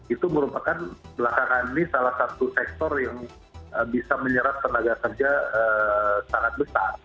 itu merupakan belakangan ini salah satu sektor yang bisa menyerap tenaga kerja sangat besar